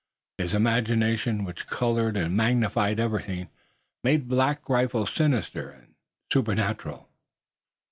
His imagination, which colored and magnified everything, made Black Rifle sinister and supernatural.